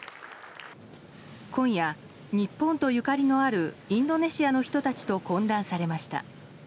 今夜、日本とゆかりのあるインドネシアの人たちと懇談されました。